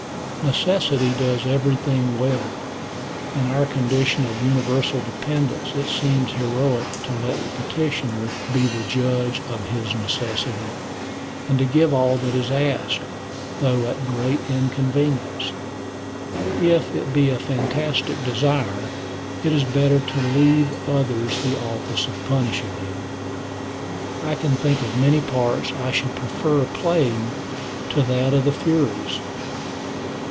Necessity does everything well. In our condition of universal dependence, it seems heroic to let the petitioner be the judge of his necessity, and to give all that is asked, though at great inconvenience. If it be a fantastic desire, it is better to leave to others the office of punishing him. I can think of many parts I should prefer playing to that of the Furies.